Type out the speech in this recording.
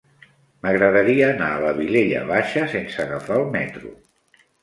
M'agradaria anar a la Vilella Baixa sense agafar el metro.